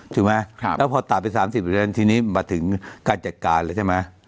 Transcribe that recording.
ถูกไหมครับแล้วพอตัดไปสามสิบเปอร์เซ็นต์ทีนี้มาถึงการจัดการแล้วใช่ไหม